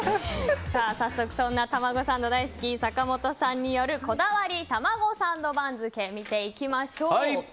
早速、たまごサンド大好き坂本さんによるこだわりたまごサンド番付見ていきましょう。